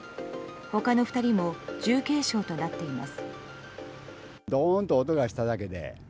他の２人も重軽傷となっています。